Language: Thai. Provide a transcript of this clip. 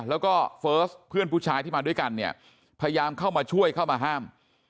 แล้วก็เฟิร์สเพื่อนผู้ชายที่มาด้วยกันเนี่ยพยายามเข้ามาช่วยเข้ามาห้าม